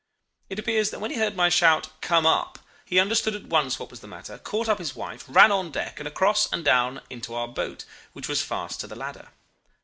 "It appears that when he heard my shout 'Come up,' he understood at once what was the matter, caught up his wife, ran on deck, and across, and down into our boat, which was fast to the ladder.